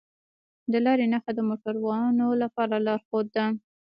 د لارې نښه د موټروانو لپاره لارښود ده.